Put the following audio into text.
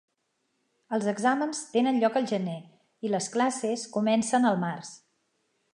Els exàmens tenen lloc al gener i les classes comencen al març.